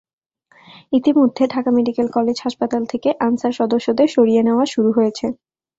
ইতিমধ্যে Dhaka medical college হাসপাতাল থেকে আনসার সদস্যদের সরিয়ে নেওয়া শুরু হয়েছে।